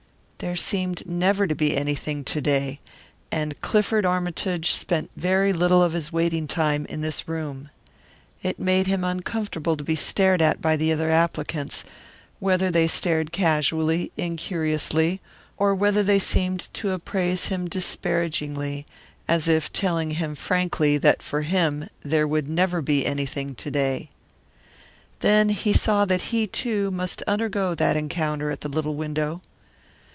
There seemed never to be anything to day, and Clifford Armytage spent very little of his waiting time in this room. It made him uncomfortable to be stared at by other applicants, whether they stared casually, incuriously, or whether they seemed to appraise him disparagingly, as if telling him frankly that for him there would never be anything to day. Then he saw that he, too, must undergo that encounter at the little window.